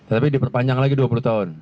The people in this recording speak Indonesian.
tapi diperpanjang lagi dua puluh tahun